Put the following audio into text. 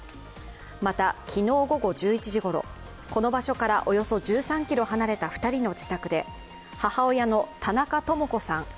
また、昨日午後１１時ごろ、この場所からおよそ１３ｋｍ離れた２人の自宅で母親の田中智子さん